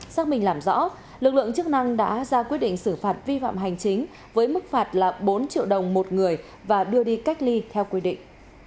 xác minh làm rõ lực lượng chức năng đã ra quyết định xử phạt vi phạm hành chính với mức phạt là bốn triệu đồng một người và đưa đi cách ly theo quy định